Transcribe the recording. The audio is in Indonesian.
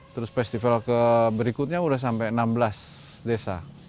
terus festival berikutnya sudah sampai enam belas desa